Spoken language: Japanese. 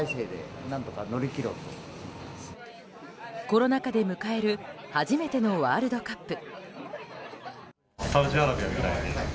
コロナ禍で迎える初めてのワールドカップ。